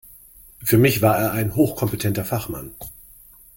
Für mich war er ein hochkompetenter Fachmann.